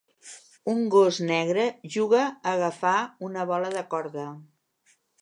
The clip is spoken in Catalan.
Un gos negre juga a agafar una bola de corda.